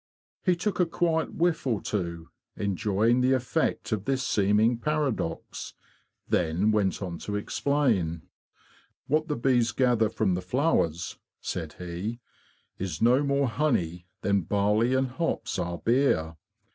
He took a quiet whiff or two, enjoying the effect of this seeming paradox, then went on to explain. "What the bees gather from the flowers,'"' said he, "' is no more honey than barley and hops are beer.